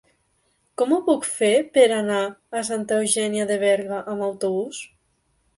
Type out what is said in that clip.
Com ho puc fer per anar a Santa Eugènia de Berga amb autobús?